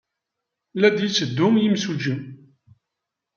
La d-yetteddu yimsujji.